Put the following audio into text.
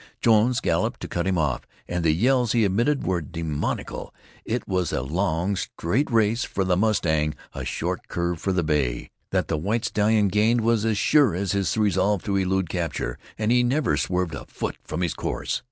Jones galloped to cut him off, and the yells he emitted were demoniacal. It was a long, straight race for the mustang, a short curve for the bay. That the white stallion gained was as sure as his resolve to elude capture, and he never swerved a foot from his course.